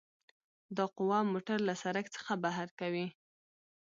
دا قوه موټر له سرک څخه بهر کوي